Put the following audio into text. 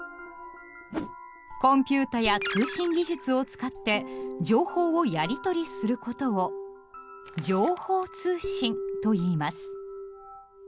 コンピューターや通信技術を使って情報をやり取りすることを「情報通信」といいます。